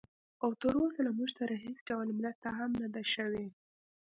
او تراوسه له موږ سره هېڅ ډول مرسته هم نه ده شوې